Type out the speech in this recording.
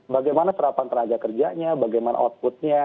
bagaimana serapan tenaga kerjanya bagaimana outputnya